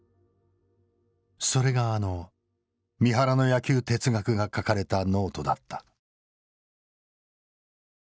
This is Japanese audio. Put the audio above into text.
それがあの三原の野球哲学が書かれたノートだった。